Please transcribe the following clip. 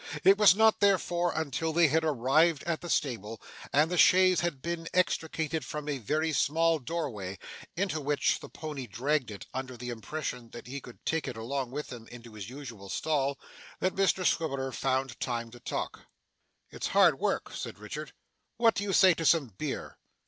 It was not, therefore, until they had arrived at the stable, and the chaise had been extricated from a very small doorway, into which the pony dragged it under the impression that he could take it along with him into his usual stall, that Mr Swiveller found time to talk. 'It's hard work,' said Richard. 'What do you say to some beer?